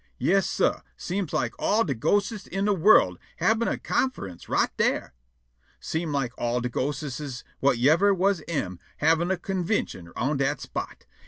Yas, sah, seem' like all de ghostes in de world habin' a conferince right dar. Seem' like all de ghosteses whut yever was am havin' a convintion on dat spot.